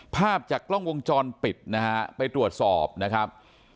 ภาพจากกล้องวงจรปิดนะฮะไปตรวจสอบนะครับ